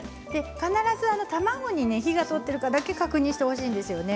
必ず卵に火が通っているかだけ確認してほしいんですよね。